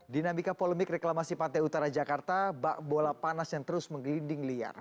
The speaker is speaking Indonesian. dinamika polemik reklamasi pantai utara jakarta bak bola panas yang terus menggelinding liar